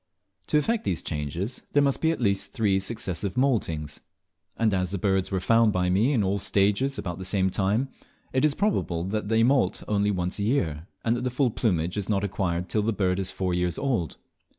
To effect these changes there must be at least three successive moultings; and as the birds were found by me in all the stages about the same time, it is probable that they moult only once a year, and that the full plumage is not acquired till the bird is four years old.